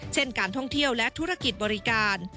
การท่องเที่ยวและธุรกิจบริการ